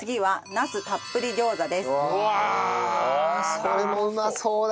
それもうまそうだ。